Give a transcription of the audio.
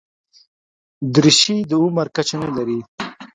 دریشي د عمر کچه نه لري.